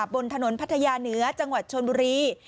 บนถนนพัทยาเหนือจังหวัดชนบุรี